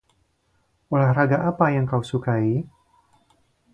Olahraga apa yang kau sukai?